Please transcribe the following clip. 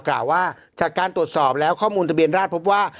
กล่าวว่าจากการตรวจสอบแล้วข้อมูลทะเบียนราชพบว่า